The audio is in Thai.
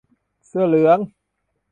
- เสื้อเหลือง